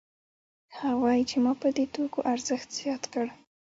هغه وايي چې ما په دې توکو ارزښت زیات کړ